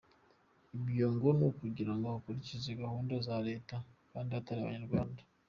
Ibyo ngo nukugirango bakurikize gahunda za leta kandi atari Abanyarwanda.